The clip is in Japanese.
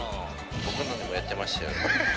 僕のにもやってましたよ。